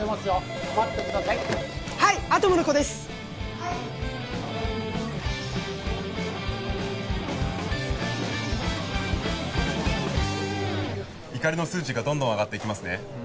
はい怒りの数値がどんどん上がっていきますね